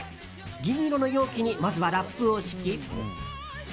銀色の容器にまずはラップを敷き。